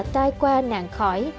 tai qua nạn khỏi